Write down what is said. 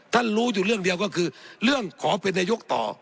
รู้อยู่เรื่องเดียวก็คือเรื่องขอเป็นนายกต่อ